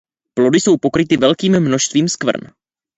Plody jsou pokryty velkým množstvím skvrn.